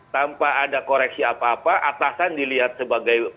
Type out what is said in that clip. tanpa ada koreksi apa apa atasan dilihat sebagai